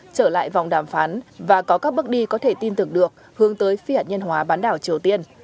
trở lại vòng đàm phán và có các bước đi có thể tin tưởng được hướng tới phi hạt nhân hóa bán đảo triều tiên